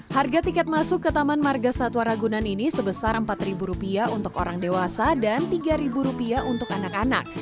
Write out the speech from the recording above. harga tiket masuk ke taman marga satwa ragunan ini sebesar rp empat untuk orang dewasa dan rp tiga untuk anak anak